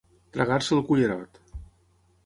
Tragar-se el cullerot.